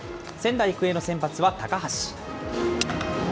仙台育英の先発は高橋。